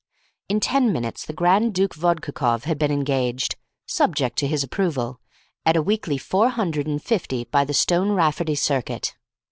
In ten minutes the Grand Duke Vodkakoff had been engaged, subject to his approval, at a weekly four hundred and fifty by the Stone Rafferty circuit.